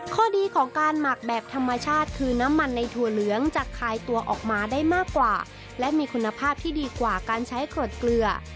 ข้อดีของการหมักแบบธรรมชาติคือน้ำมันในถั่วเหลืองจะคลายตัวออกมาได้มากกว่าและมีคุณภาพที่ดีกว่าการใช้กรดเกลือ